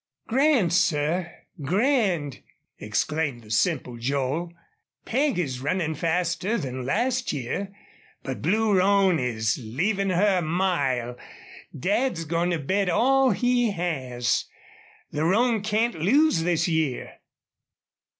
"Grand, sir grand!" exclaimed the simple Joel. "Peg is runnin' faster than last year, but Blue Roan is leavin' her a mile. Dad's goin' to bet all he has. The roan can't lose this year."